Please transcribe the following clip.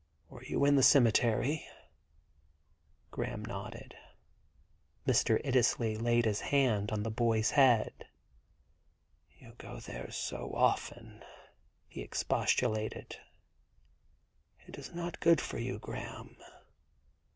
Were you in the cemetery ?' Graham nodded. Mr. Iddesleigh laid his hand on the boy's head. ' You go there so often 1 ' he expostulated. * It is not good for you, Graham.